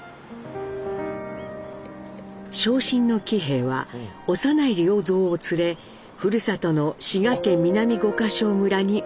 傷心の喜兵衛は幼い良三を連れふるさとの滋賀県南五個荘村に戻ります。